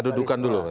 kita dudukan dulu pak